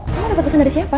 kamu dapat pesan dari siapa